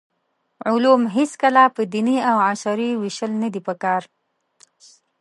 علوم هېڅکله په دیني او عصري ویشل ندي پکار.